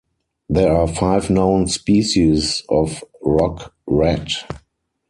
There are five known species of rock-rat.